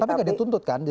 tapi gak dituntut kan